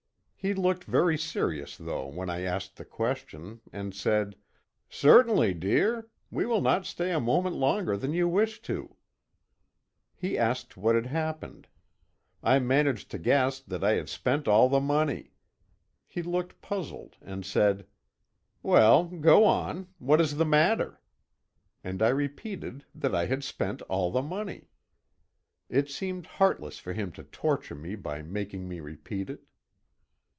He looked very serious though when I asked the question, and said: "Certainly, dear. We will not stay a moment longer than you wish to." He asked what had happened. I managed to gasp that I had spent all the money. He looked puzzled and said: "Well, go on. What is the matter?" and I repeated that I had spent all the money. It seemed heartless for him to torture me by making me repeat it.